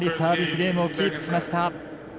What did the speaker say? ゲームをキープしました。